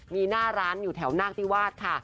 มีหน้าร้านอยู่แถวนาคิวาสค่ะ